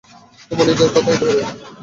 তোমার নিজের কথাই ধরো।